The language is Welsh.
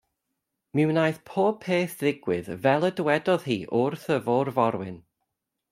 Mi wnaeth pob peth ddigwydd fel y dywedodd hi wrth y fôr-forwyn.